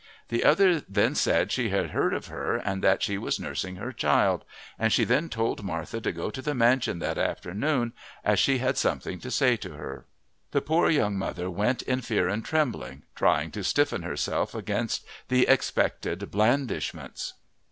The other then said she had heard of her and that she was nursing her child, and she then told Martha to go to the mansion that afternoon as she had something to say to her. The poor young mother went in fear and trembling, trying to stiffen herself against the expected blandishments.